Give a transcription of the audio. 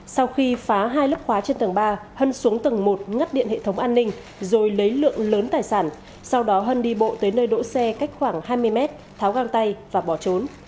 sau khi phá hai lớp khóa trên tầng ba hân xuống tầng một ngắt điện hệ thống an ninh rồi lấy lượng lớn tài sản sau đó hân đi bộ tới nơi đỗ xe cách khoảng hai mươi mét tháo găng tay và bỏ trốn